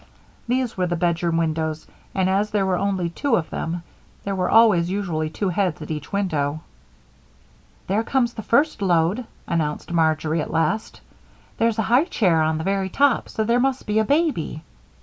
These were the bedroom windows, and, as there were only two of them, there were usually two heads at each window. "There comes the first load," announced Marjory, at last. "There's a high chair on the very top, so there must be a baby."